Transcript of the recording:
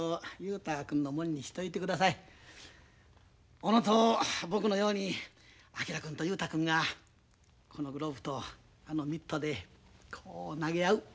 小野と僕のように昭君と雄太君がこのグローブとあのミットでこう投げ合う。